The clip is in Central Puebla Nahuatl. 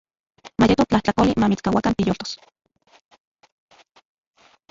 Mayeto tlajtlakoli mamitskauakan tiyoltos.